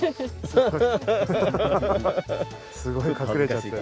すごい隠れちゃって。